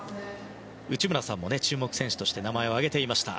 内村さんも注目選手として名前を挙げていました。